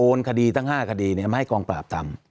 โอนคดีทั้งห้าไม่ให้กองปราบทำ